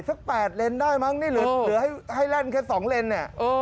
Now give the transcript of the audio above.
สัก๘เลนได้มั้งนี่เหลือให้แล่นแค่๒เลนเนี่ย